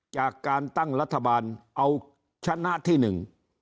จากการตั้งรัฐบาลเอาชนะที่หนึ่ง